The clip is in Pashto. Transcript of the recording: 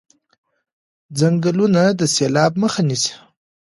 ځنګلونه د سیلاب مخه نیسي.